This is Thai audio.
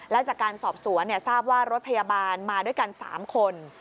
และจากการสอบสวนทราบว่ารถพยาบาลมาด้วยกัน๓คน